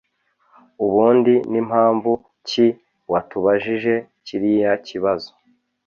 ubundi nimpamvu ki watubajije kiriya kibazo